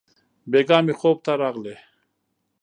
بېګاه مي خوب ته راغلې!